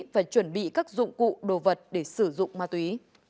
và chuẩn bị các dụng cụ đồ vật để sử dụng ma túy